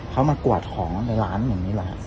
เขามากวาดของในร้านอย่างนี้หรอฮะ